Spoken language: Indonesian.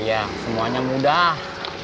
iya semuanya mudah